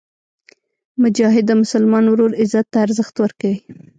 مجاهد د مسلمان ورور عزت ته ارزښت ورکوي.